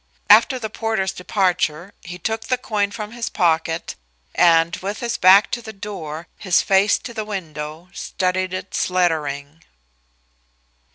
After the porter's departure he took the coin from his pocket, and, with his back to the door, his face to the window, studied its lettering.